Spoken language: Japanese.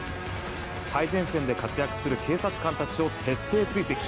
最前線で活躍する警察官たちを徹底追跡！